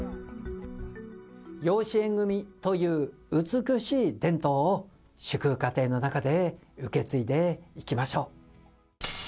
養子縁組という美しい伝統を、祝福家庭の中で受け継いでいきましょう。